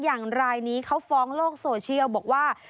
อย่างรายนี้เขาฟ้องโลกโซเชียลบอกว่า